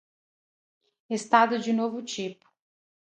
Estado de novo tipo